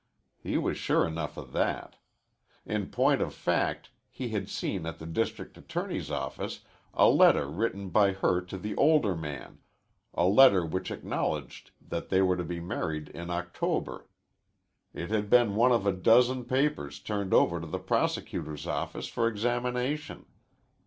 He was sure enough of that. In point of fact he had seen at the district attorney's office a letter written by her to the older man, a letter which acknowledged that they were to be married in October. It had been one of a dozen papers turned over to the prosecutor's office for examination.